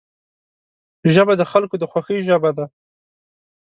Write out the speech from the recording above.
ژبه د خلکو د خوښۍ ژبه ده